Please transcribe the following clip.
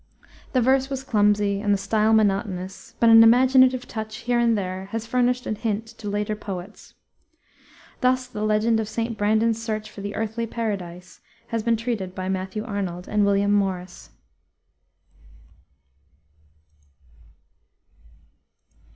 The verse was clumsy and the style monotonous, but an imaginative touch here and there has furnished a hint to later poets. Thus the legend of St. Brandan's search for the earthly paradise has been treated by Matthew Arnold and William Morris.